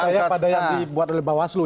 kalau berdaya pada yang dibuat oleh mbak waslu